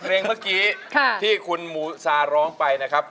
เพลงที่เจ็ดเพลงที่แปดแล้วมันจะบีบหัวใจมากกว่านี้